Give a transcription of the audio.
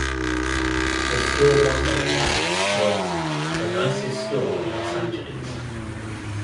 The store motto in ads was "the nicest store in Los Angeles".